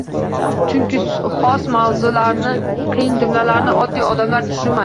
Chunki xos mavzularni, qiyin jumlalarni oddiy odamlar tushunmaydi.